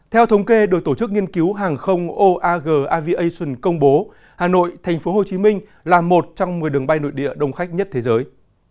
theo thống kê được tổ chức nghiên cứu hàng không oag aviation công bố hà nội tp hcm là một trong một mươi đường bay nội địa đông khách nhất thế giới